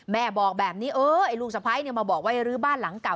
แม่บอกแบบนี้เอ้ยไอ้ลูกสะพ้ายมาบอกว่ารื้อบ้านหลังเก่า